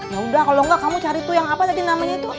yaudah kalau enggak kamu cari tuh yang apa tadi namanya tuh